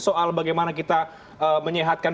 soal bagaimana kita menyehatkan